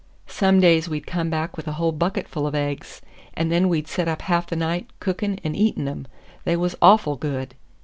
Some days we'd come back with a whole bucket full of aigs; and then we'd set up half the night, cookin' and eatin' 'em. They was awful good!"